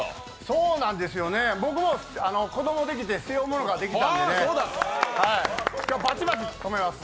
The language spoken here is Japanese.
そうなんですよね、僕も子供できて背負うものができたんでね、今日はバチバチ止めます。